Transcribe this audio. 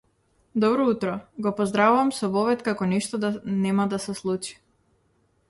Добро утро, го поздравувам со вовед како ништо да нема да се случи.